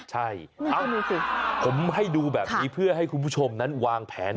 ใช่เอาดูสิผมให้ดูแบบนี้เพื่อให้คุณผู้ชมนั้นวางแผน